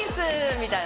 みたいな。